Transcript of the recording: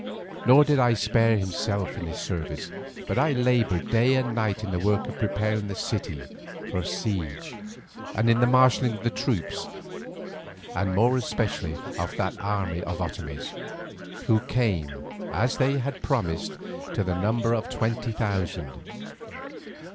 Nor did I spare myself in his service, but laboured by day and night in the work of preparing the city for siege, and in the marshalling of the troops, and more especially of that army of Otomies, who came, as they had promised, to the number of twenty thousand.